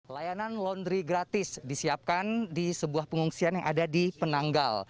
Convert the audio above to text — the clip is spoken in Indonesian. layanan laundry gratis disiapkan di sebuah pengungsian yang ada di penanggal